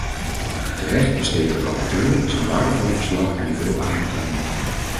Terecht besteedt de rapporteur in zijn waardevolle verslag hier veel aandacht aan.